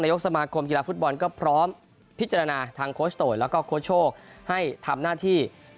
ยกสมาคมกีฬาฟุตบอลก็พร้อมพิจารณาทางโคชโตยแล้วก็โค้ชโชคให้ทำหน้าที่